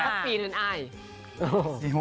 ๖ตอนนี้เดี๋ยวอยู่